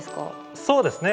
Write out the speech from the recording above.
そうですね。